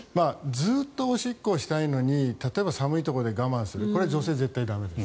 ずっとおしっこをしたいのに例えば寒いところで我慢をするこれ、女性は絶対駄目です。